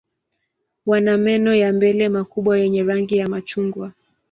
Wana meno ya mbele makubwa yenye rangi ya machungwa.